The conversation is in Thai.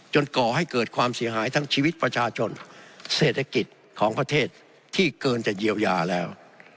ก่อให้เกิดความเสียหายทั้งชีวิตประชาชนเศรษฐกิจของประเทศที่เกินจะเยียวยาแล้ว